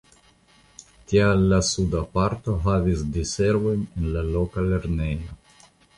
Tial la suda parto havis diservojn en la loka lernejo.